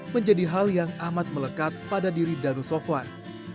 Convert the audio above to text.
menjadi hal yang amat melekat pada diri danu sofwan